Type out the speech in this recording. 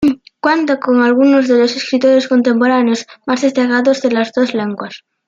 Cuenta con algunos de los escritores contemporáneos más destacados de las dos lenguas.